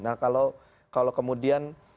nah kalau kemudian